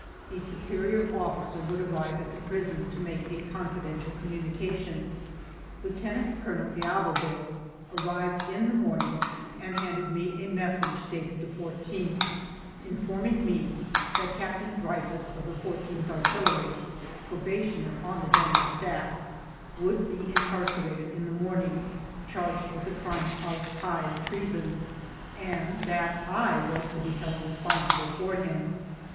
a superior officer would arrive at the prison to make a confidential communication. Lieu tenant Colonel d'Aboville arrived in the morning and handed me a message dated the 14th, informing me that Captain Dreyfus of the Fourteenth Artillery, pro bationer on the General Stafi\, would be incarcerated in the morning, charged with the crime of high treason, and that I was to be held responsible for him.